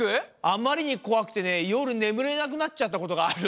あまりにこわくてねよるねむれなくなっちゃったことがある。